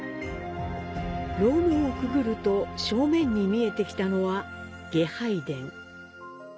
楼門をくぐると正面に見えてきたのは外拝殿。